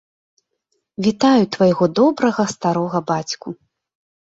Вітаю твайго добрага старога бацьку.